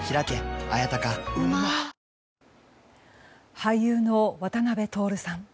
俳優の渡辺徹さん。